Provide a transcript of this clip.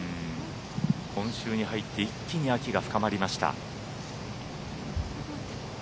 今週に入って一気に秋が深まりました。